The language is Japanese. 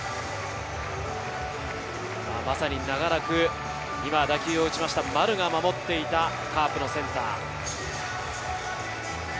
まさに長らく打球を打ちました丸が守っていたカープのセンター。